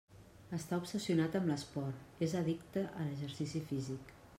Està obsessionat amb l'esport: és addicte a exercici físic.